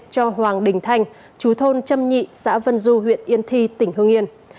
cho hoàng đình thanh chú thôn trâm nhị xã vân du huyện yên thi tỉnh hương yên